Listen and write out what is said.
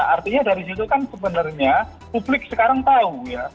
artinya dari situ kan sebenarnya publik sekarang tahu ya